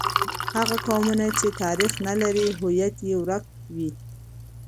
هغه قومونه چې تاریخ نه لري، هویت یې ورک وي.